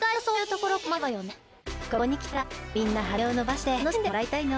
ここに来たらみんな羽を伸ばして楽しんでもらいたいの。